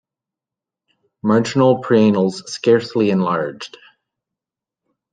Marginal preanals scarcely enlarged.